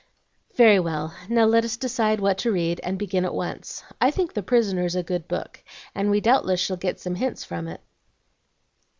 "Very well, now let us decide what to read, and begin at once. I think the 'Prisoners' a good book, and we shall doubtless get some hints from it."